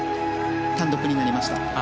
単独になりました。